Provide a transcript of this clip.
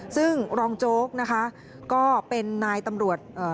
ซึ่งรองโจ๊กนะคะก็เป็นนายตำรวจเอ่อ